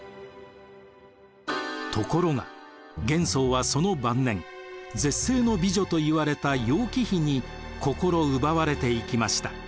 ところが玄宗はその晩年絶世の美女といわれた楊貴妃に心奪われていきました。